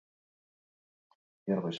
Zenbait kasutan ilez hornituak agertzen dira.